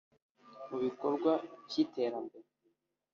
Mu bikorwa vy’iterambere